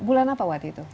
bulan apa waktu itu